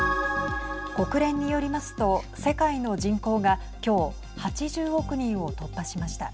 国連によりますと世界の人口が今日８０億人を突破しました。